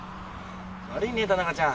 悪いね田中ちゃん。